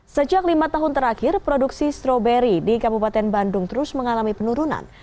sejak lima tahun terakhir produksi stroberi di kabupaten bandung terus mengalami penurunan